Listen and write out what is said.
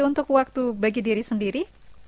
untuk waktu bagi diri sendiri